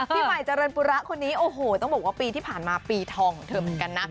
พี่ใหม่เจริญปุระคนนี้โอ้โหต้องบอกว่าปีที่ผ่านมาปีทองของเธอเหมือนกันนะ